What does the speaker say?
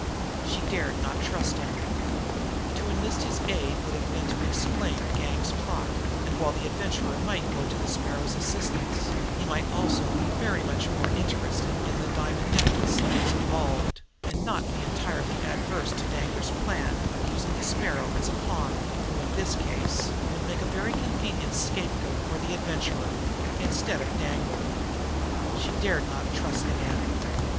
She dared not trust him. To enlist his aid she would have to explain the gang's plot; and while the Adventurer might go to the Sparrow's assistance, he might also be very much more interested in the diamond necklace that was involved, and not be entirely averse to Danglar's plan of using the Sparrow as a pawn, who, in that case, would make a very convenient scapegoat for the Adventurer instead of Danglar! She dared not trust the man.